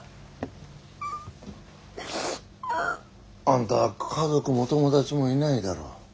あんた家族も友達もいないだろ。